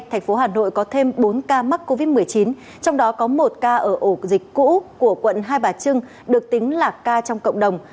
thành phố hà nội có thêm bốn ca mắc covid một mươi chín trong đó có một ca ở ổ dịch cũ của quận hai bà trưng được tính là ca trong cộng đồng